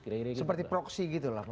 kira kira gitu seperti proxy gitu lah